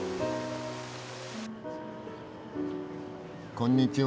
こんにちは。